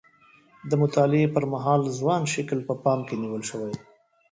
د مطالعې پر مهال ځوان شکل په پام کې نیول شوی.